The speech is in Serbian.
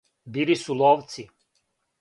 Били су ловци.